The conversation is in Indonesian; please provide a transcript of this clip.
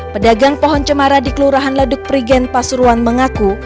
pedagang pohon cemara di kelurahan leduk prigen pasuruan mengaku